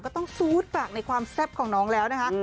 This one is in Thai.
ก็ต้องซูดปากในความแซ่บของน้องแล้วนะคะ